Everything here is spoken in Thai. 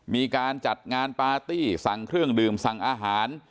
มีการจัดงานปาร์ตี้สั่งเครื่องดื่มสั่งอาหาร